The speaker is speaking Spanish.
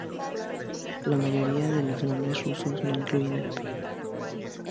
La mayoría de los nombres rusos no incluyen el apellido.